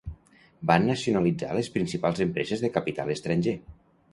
Va nacionalitzar les principals empreses de capital estranger.